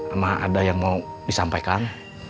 sama ada yang mau disampaikan